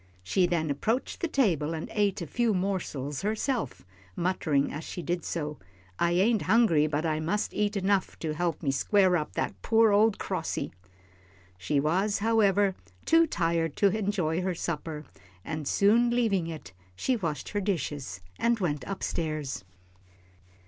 She then approached the table and ate a few morsels herself, muttering as she did so, "I ain't hungry, but I mus' eat enough to help me square up to that poor ole crossy." She was, however, too tired to enjoy her supper, and soon leaving it, she washed her dishes and went up stairs.